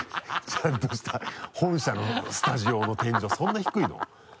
ちゃんとした本社のスタジオの天井そんな低いの？